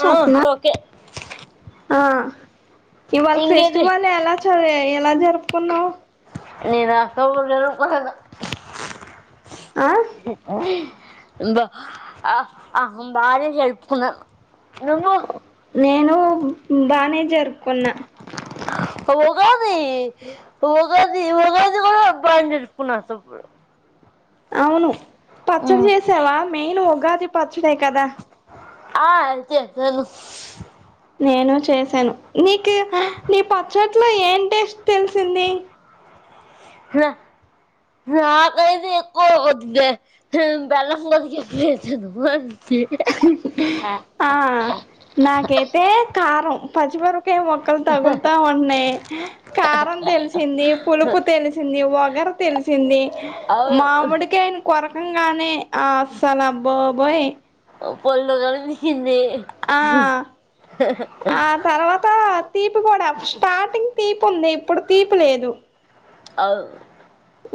స్వప్న ఆ ఇవాళ ఇంకేది ఫెస్టివల్ ఎలా చా ఎలా జరుపుకున్నావ్ నేను అట్ట ఉండుండికూడదు ఆ బ ఆ ఆ బానె జరుపుకున్న నువ్వు నేను బానేజ ఉగాద్ ది ఉగాది ఉగాది గూడ బనె జారుకున్నారు స్వప్న్ అవును పచ్చడి చేసావా మెయిన్ ఉగాది పచ్చడే కదా ఆ చేసేను నేను చేశాను మీకు మీ పచ్చట్లో ఏం టేస్ట్ తెలిసింది రా నా కైతె యాక్కో వద్దే నేను బెల్లం కొరికేసి ఏసాను ఆ నాకేతే కారం పచ్చిమి కై మొక్కలు తగులుతా ఉన్నాయి కారం దెలిసింది పులుపు దెలిసింది వగ ర్ తెలిసింది అవును మామిడికాయిని కోర్ గానే అస్సల బాబోయ్ పుల్లగానిపించింది ఆ ఆ తర్వాత తీపి కూడా స్టార్టింగ్ తీపుంది ఇప్పుడు తీపి లేదు అవును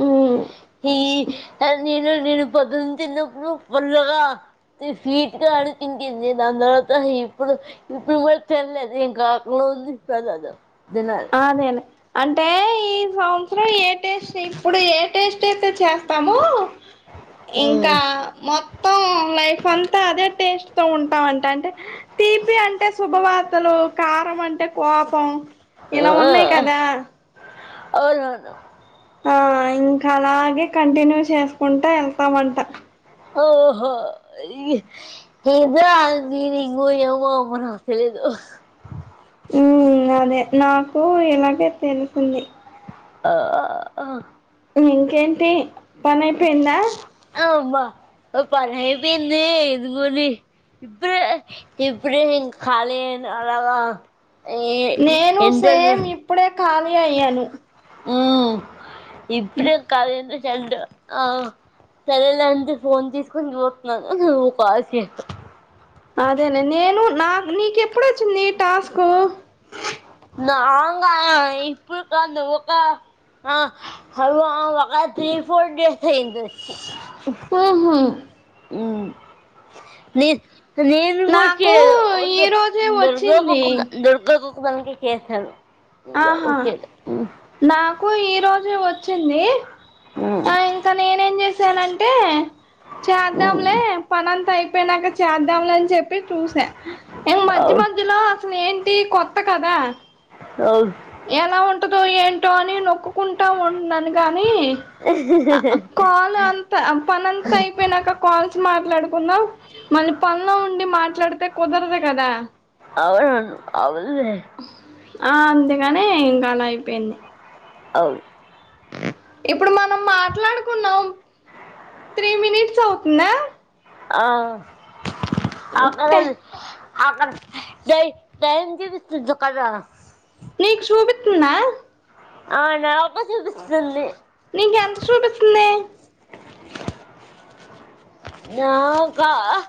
ఉమ్ హి హె నేను నేను పొందింతినపుడు పుల్లగా స్వీటీగా అనిపించింది మామూలుగా ఇప్పుడు ఇప్పుడు గూడా తినలేదు ఇంకా ఉంది తినలె ఆ నేను ఆన్ టే ఈ సంవత్సరం ఏ టేస్ట్ ఇప్పుడు ఏ టేస్ట్ అయితే చేస్తామొ ఇంకా మొత్తం లైఫ్ అన్ తా అదే టేస్ట్ తో ఉంటామంట అంటే తీపి అంటే శుభవాత్త తలు కారం అంటే కోపం ఇలా ఉన్నాయి కదా అవులవును ఆ ఇంకా అలాగే కంటిన్యూ చేసుకుంటా ఎల్తామంటా ఓహో ఇయ్ ఇదా నేను ఇంకా ఏమో అమ్మ నాక్ తెలీదు అ ఉమ్ అదే నాకు ఇలాగే తెలిసింది ఆ ఆ ఇంకేంటి పని అయిపోయిందా అమ్మ ఓ పనైపోయింది ఇంగోడి ఇప్పుడే ఇప్పుడే నేను కాలి అయిన అలాగా ఏ నేను సేమ్ ఎండలు ఇప్పుడే ఖాళీ అయ్యాను ఉ ఇప్పుడె కలిగున్నా చల్డ్ ఆ సరేలే అని ఫోన్ తీసుకుని జుతున్నాను నువ్వు కాల్ చేసావ్ అదేనే నేను నా నీకెప్పుడొచ్చింది టాస్కు నాగా ఇప్పుడు కాదు ఒక ఆ అవను ఒక త్రీ ఫోర్ డేస్ అయింది ఒచ్చి ఓహో ఉమ్ మీర్ నేను గూడా నాకు చేయలే ఈ దు రోజే దుర్గ ఒక వచ్చింది దుర్గ ఒక్కదానికే చేసాను. ఇల ఓకే ఉమ్ కు ఈ రోజు వొచ్చింది ఉమ్ ఆ ఇంకా నేనే ఏంజేసానంటే చద్దాంలే పనంత అయిపోయినంక చద్దాంలే అని చెప్పి చూసా ఇం మధ్య మధ్యలో అసలేంటి కొత్త కదా ఉమ్ అవును అవును ఎలా ఉంటదో ఏంటో అని నొక్కుకుంటా ఉన్నాను గాని అ ఆ కాల్లో అంతా పనంత ఐపేయినాక కాల్స్ మాట్లాడుకుందాం. మళ్ళి పన్లో ఉండి మాట్లాడితే కుదరదు కదా. అవున్ అవలులే ఆ అందుకనే ఇంక అలా అయిపేంది. అవ్ ఇప్పుడు మనం మాట్లాడుకున్నాం. త్ర్రి మినిట్స్ అవుతుందా? ఆ అక్కడ టె ద్ అక్కడ డై ట్రైన్ చూపిస్తుంది కదరా నీకు శుభిత్తున్నా ఆ నాకు సూబిస్తుంది నీకెంత సూబిస్తుందే నాకా ఆ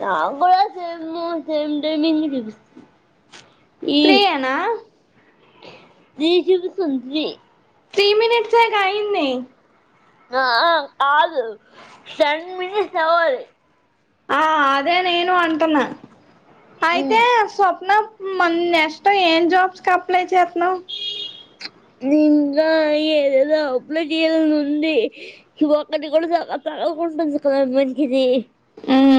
నాగూడా సేమ్మ్, సేమ్ టైమింగ్ జూపిస్తుంది. త్రీయేనా త్రీ శుపిస్తుంది త్రీ త్రీ మినెట్స్ గ అయింది. ఆ అ కాదు టెన్ మినిట్స్ అవ్వాలి. ఆ అదే నేను అంటున్నా అయితే ఉమ్, స్వప్న మ్ మన్నెస్టు ఏం జాబ్స్ కు అప్లై చేత్తున్నావ్? నింగాయ్ ఏదేదో అప్లై జేయాలని ఉంది. ఈ ఒక్కటి కూడా చ చదువకుంటుంది కదా అమ్మాయ్ ది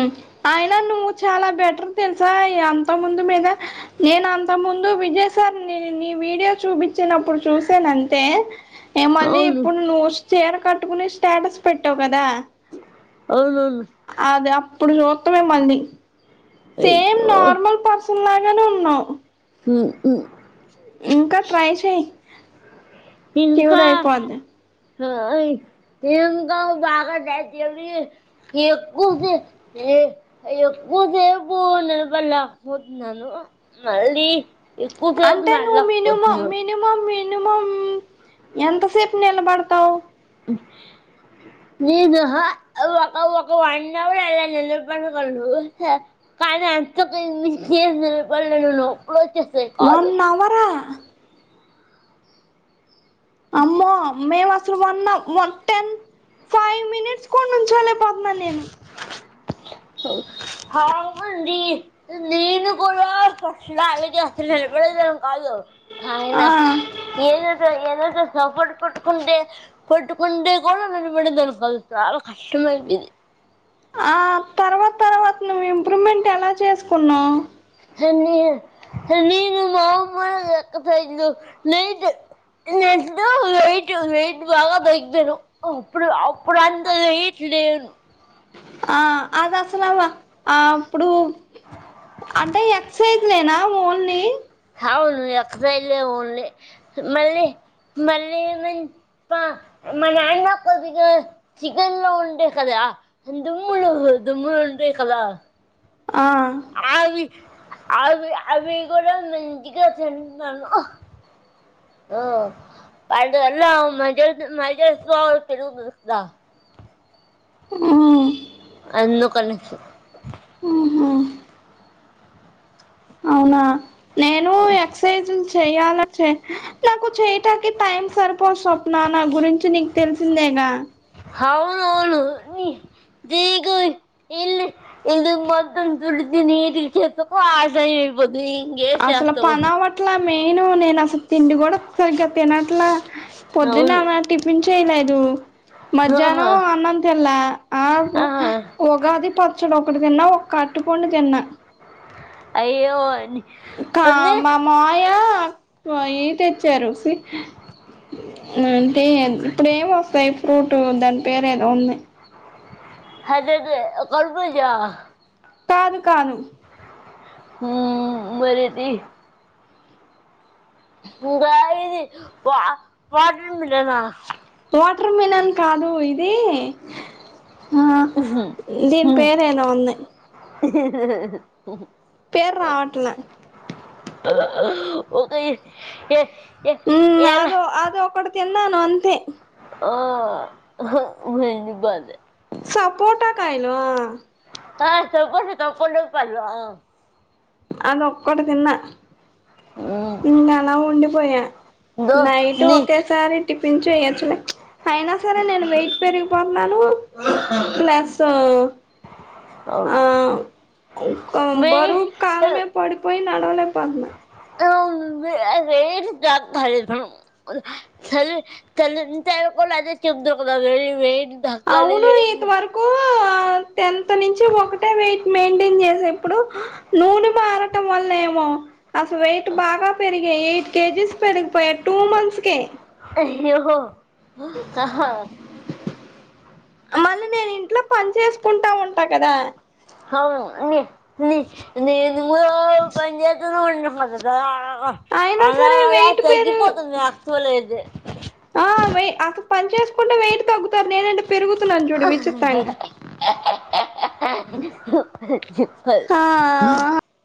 మ్ అయిన నువ్వు చాలా బెటర్ తెల్సా ఎంతో ముందు మీద నేనా అంత ముందు విజయ్ సార్ నేను నీ వీడియో చూపిచ్చినప్పుడు చూసానంతే ఏ మళ్ళీ అవును ఇప్పుడు నువ్వు చీర కట్టుకుని స్టేటస్ పెట్టావు కదా. అవునవును అదే అప్పుడు జూత్తమె మళ్ళీ సేమ్ అయ్యో నార్మల్ పర్సన్ కులాగనే ఉన్నావ్ ఉమ్, ఉమ్. ఇంక ట్రై చెయ్ క్యూర్ అయిపోద్ది ఆయి ఇంకా బాగా [unintelligible] ఎక్కువద్ది ఇ ఎక్ ఎక్కువ సేపు నేనుపల్లేకపోతున్నాను మళ్ళీ ఎక్కువసేపు అంటే నువ్ మినిమమ్ నడలేకపోతున్నాను మినిమమ్ని మినిమం ఎంతసేప్ నిలబడ్తవ్? నేను ఉహు ఒక ఒక వన్ అవర్ అలా నిలబడగలను. తె కానంత పైనుంచి నిలబడలేను. వచ్చేస్తాయి వన్ కాళ్ళు అవరా అమ్మో మేం వ అసల్ వన్నా వన్ టెన్ ఫై మినిట్స్ కూడా నుంచ్చోలేకపోతున్నా నేను. హాయండి నీను గూడా ఫస్లా అసలు నిలబడేదే కాదు ఆయన ఆ ఏదేదో ఏదేదో పట్ పట్టుకుంటే పట్టుకుంటే కూడా ననబడంది అనుపదు చాలా కష్టమైతది ఆ తర్వాత తర్వాత నువ్వు ఇంప్రూవ్మెంట్ ఎలా చేసుకున్నావు. [unintelligible] [unintelligible] అప్పుడు అప్పుడుంత వెయిట్ లేను ఆ అదిసలవ ఆ అప్పుడు అంటే ఎక్ససైజీ ఎన ఓన్లీ అవును ఎక్సైజ ఓన్లీ మళ్ళీ మళ్ళీ పా మా నాన్న కొద్దిగా చికన్ లో ఉంటె కదా దుమ్ములొ దుమ్ములో ఉంటాయి కదా ఆ అవి అవి కూడా మంచిగా తింటాను ఆ [unintelligible] మ్ అందుకనేసి ఉహు అవునా నేను ఎక్సర్సైజులు చెయ్యాలనీ చే నాకు చేయటానికి టైం సరపోదు స్వప్న నా గురించి నీకు తెలిసిందేగా హావును హావును దీగు ఇల్ ఇల్లు మొత్తం తుడిచి నీట్గా చేసకు ఆశా అసలు పనవట్లా మెయిన్ నే అసలు తిండి కూడా సరిగ్గా తినట్లా పొద్దున అవును ఆమె టిఫిన్ చేయలేదు. ఆహా మధ్యాహ్నం అన్నంతిన్ల ఆ ఆహా ఉగాది పచ్చడ ఒ ఒకటి తిన్న ఒక్క అరటిపండు తిన్న అయ్యో అని కా అన్నీ మా మావయ్య ఈ తెచ్చారు అంటే ఇప్పుడు ఏం వస్తాయి ఫ్రూట్ దాని పేరు ఏదో ఉంది. హద హాదే కరభుజా కాదు కాను హుమ్ మారేటి ఇంగా ఇది వ వాటర్మిలనా వాటర్ మిలాన్ కాదు ఇది ఆ దీని పేరు ఏదో ఉంది. పేర్ రావట్ల ఓకే ఉమ్ అదొ అదొ ఒక్కడు తిన్నను అంతే ఆ నేన్ చెప్పా అదే సపోటా కాయలా ఆ సపోటా సపోటా పన్లు ఆ అదొ ఒక్కటి తిన్న ఇంగ అలా ఉండిపోయా దో నైట్ నీ ఒకేసారి టిఫిన్ చేయొచ్చు అయినా సరే నేను వెయిట్ పెరిగిపోతున్నాను ప్లస్ అవున్ కోబరువు కాలమీద పడిపోయి నడవలే పోతున్నా ఏ [unintelligible] తగ్గాలి వేయిట్ అవును ఇది వరకు టెన్త్ నుంచి ఒకటే వెయిట్ మెయి మంటైన్ చేసేప్పుడు నూనె మారటం వల్ల ఏమో అసలు వెయిట్ బాగా పెరిగా ఎయిట్ కేజీస్ పెరిగిపోయా టూ మంత్స్ కే ఇహో అహ మళ్ళీ నేను ఇంట్లో పని చేసుకుంటా ఉంటా కదా అవును నేన్ న్ కూడ పంజెతనే ఉంటావుకదా అలాగా అయినా ఆలా సరే ఆలా వెయిట్ పెరు తగ్గిపోతది యాక్టుల్లి అయితే ఆ వే పని చేసుకుంటే వెయిట్ తగ్గుతారు నేనంటే పెరుగుతునన్ను చూడు విచిత్రంగా ఆ ఆ పాల్ ఆ